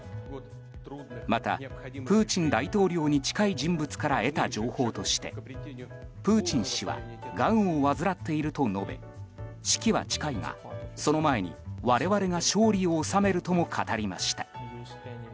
またプーチン大統領に近い人物から得た情報としてプーチン氏はがんを患っていると述べ死期は近いが、その前に我々が勝利を収めるとも語りました。